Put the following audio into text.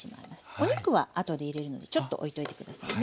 お肉は後で入れるのでちょっとおいといて下さいね。